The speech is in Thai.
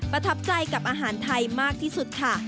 ประทับใจกับอาหารไทยมากที่สุดค่ะ